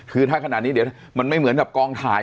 คือถ้าขนาดนี้เดี๋ยวมันไม่เหมือนกับกองถ่าย